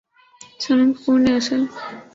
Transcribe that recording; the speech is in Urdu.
سونم کپور نے اسل